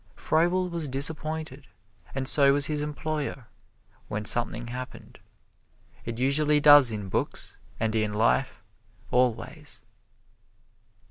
Froebel was disappointed and so was his employer when something happened. It usually does in books, and in life, always.